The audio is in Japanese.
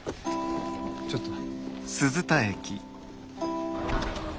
ちょっとな。